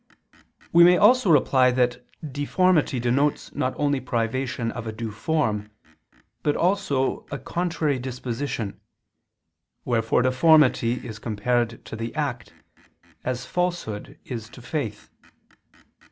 We may also reply that deformity denotes not only privation of a due form, but also a contrary disposition, wherefore deformity is compared to the act, as falsehood is to faith.